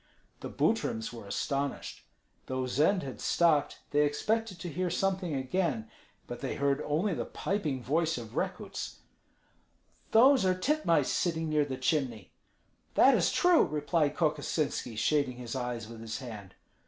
The Butryms were astonished. Though Zend had stopped, they expected to hear something again; but they heard only the piping voice of Rekuts, "Those are titmice sitting near the chimney!" "That is true!" replied Kokosinski, shading his eyes with his hand.